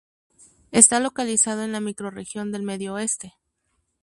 Está localizado en la microrregión del Medio Oeste.